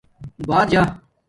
بݳر جݳ